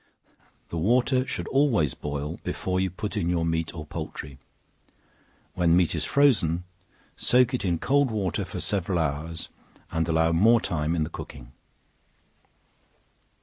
The water should always boil before you put in your meat or poultry. When meat is frozen, soak it in cold water for several hours, and allow more time in the cooking.